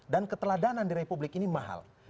dan keteladanan di republik ini mahal